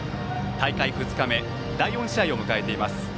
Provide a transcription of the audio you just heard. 大会２日目第４試合を迎えています。